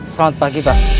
selamat pagi pak